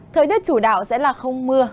thời tiết chủ đạo sẽ là không mưa